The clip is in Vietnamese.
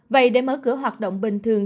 vậy để mở cửa hoạt động bình thường